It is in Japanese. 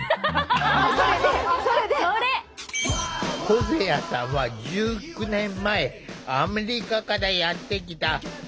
ホゼアさんは１９年前アメリカからやって来た。